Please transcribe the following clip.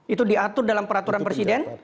itu diatur dalam peraturan presiden